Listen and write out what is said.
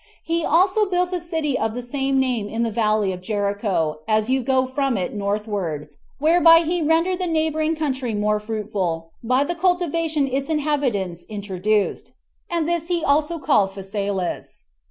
He also built a city of the same name in the valley of Jericho, as you go from it northward, whereby he rendered the neighboring country more fruitful by the cultivation its inhabitants introduced; and this also he called Phasaelus.